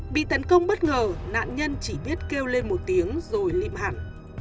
bị tấn công bất ngờ nạn nhân chỉ biết kêu lên một tiếng rồi lịm hẳn